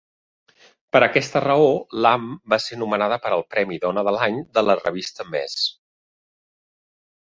Per aquesta raó, Lamm va ser nomenada per al premi "Dona de l'any" de la revista "Ms.".